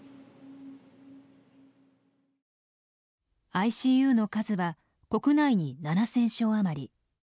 ＩＣＵの数は国内に７，０００床あまり。